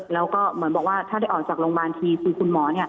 แล้วก็เหมือนบอกว่าถ้าได้ออกจากโรงพยาบาลทีคือคุณหมอ